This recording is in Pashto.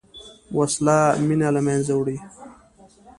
وسله مینه له منځه وړي